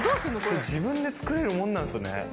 自分で作れるもんなんですね。